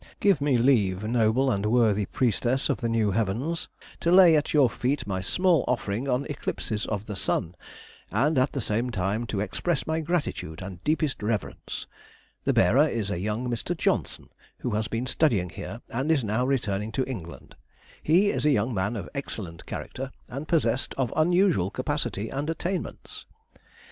Give me leave, noble and worthy priestess of the new heavens, to lay at your feet my small offering on eclipses of the sun, and at the same time to express my gratitude and deepest reverence. The bearer is a young Mr. Johnston, who has been studying here, and is now returning to England. He is a young man of excellent character, and possessed of unusual capacity and attainments.